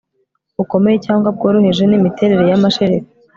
bukomeye cyangwa bworoheje nimiterere yamashereka